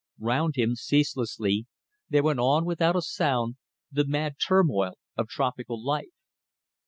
Round him, ceaselessly, there went on without a sound the mad turmoil of tropical life.